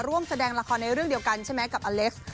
ร่วมแสดงละครในเรื่องเดียวกันใช่ไหมกับอเล็กซ์